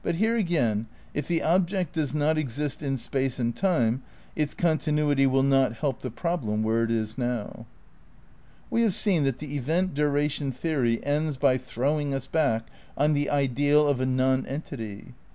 But here again, if the object does not exist in space and time its continuity will not help the prob lem where it is now. We have seen that the event duration theory ends by Ill THE CRITICAL PREPARATIONS 109 throwing us back on "the ideal of a non entity."